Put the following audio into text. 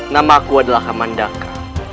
nama aku adalah kaman daka